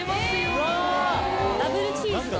ダブルチーズだ。